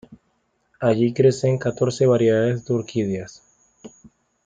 Allí crecen catorce variedades de orquídeas.